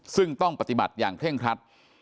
ซึ่งต้องปฏิบัติอย่างเร่งครัด